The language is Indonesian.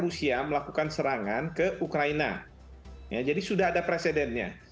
rusia melakukan serangan ke ukraina ya jadi sudah ada presidennya